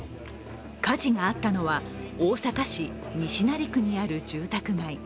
火事があったのは、大阪市西成区にある住宅街。